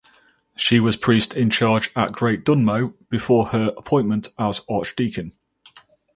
She was Priest in charge at Great Dunmow before her appointment as Archdeacon.